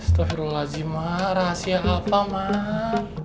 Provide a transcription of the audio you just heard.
astagfirullahaladzim mak rahasia apa mak